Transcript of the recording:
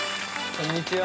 こんにちは